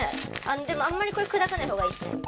でもあんまりこれ砕かないほうがいいですね。